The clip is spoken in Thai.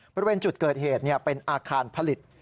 บริเวณจุดเกิดเหตุเป็นอาคารผลิต